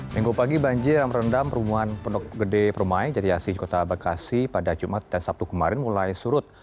minggu pagi banjir yang merendam perumahan pondok gede perumahai jatiasi kota bekasi pada jumat dan sabtu kemarin mulai surut